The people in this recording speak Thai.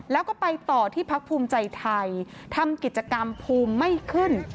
แล้วก็ไปต่อที่พักภูมิใจไทยทำกิจกรรมภูมิไม่ขึ้น